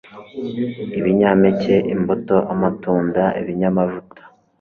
Ibinyampeke, imbuto amatunda ibinyamavuta,